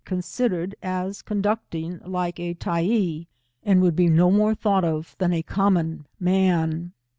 consider as conducting like a Tyee, and would be no more thought of than a common man.